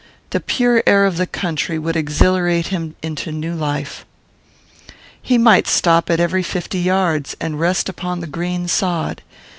The pure air of the country would exhilarate him into new life. He might stop at every fifty yards, and rest upon the green sod.